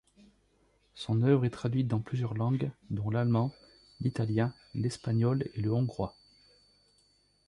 Son œuvre est traduite dans plusieurs langues dont l'allemand, l'italien, l'espagnol et le hongrois.